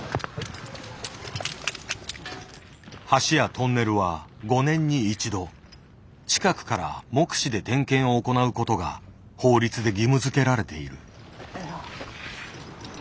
橋やトンネルは５年に１度近くから目視で点検を行うことが法律で義務づけられている。